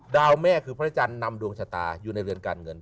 แม่คือพระจันทร์นำดวงชะตาอยู่ในเรือนการเงิน